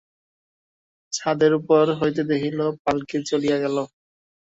ছাদের উপর হইতে দেখিল, পালকি চলিয়া গেল।